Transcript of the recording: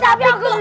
tapi aku duluan